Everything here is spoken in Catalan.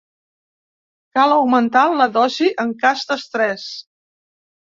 Cal augmentar la dosi en cas d'estrès.